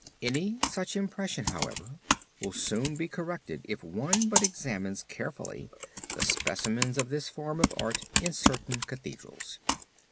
Any such impression, however, will soon be corrected if one but examines carefully the specimens of this form of art in certain Cathedrals.